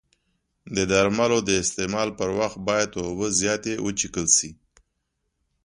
د درملو د استعمال پر وخت باید اوبه زیاتې وڅښل شي.